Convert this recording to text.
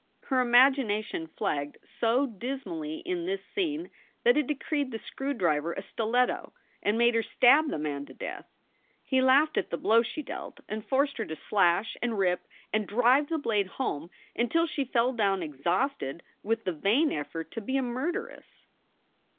Her imagination flagged so dismally in this scene that he decreed the screw driver a stiletto and made her stab the man to death. He laughed at the blow she dealt and forced her to slash and rip and drive the blade home until she fell down exhausted with the vain effort to be a murderess.